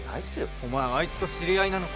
お前あいつと知り合いなのか？